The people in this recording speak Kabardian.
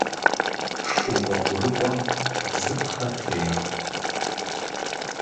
Шу гъуэгурыкӏуэм бзыпхъэ трех.